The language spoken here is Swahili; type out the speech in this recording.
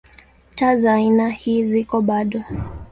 Taa za aina ii ziko bado.